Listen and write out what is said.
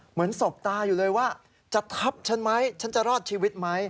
สบตาอยู่เลยว่าจะทับฉันไหมฉันจะรอดชีวิตไหม